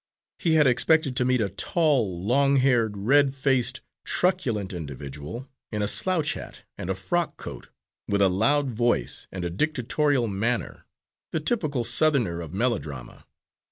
He had expected to meet a tall, long haired, red faced, truculent individual, in a slouch hat and a frock coat, with a loud voice and a dictatorial manner, the typical Southerner of melodrama.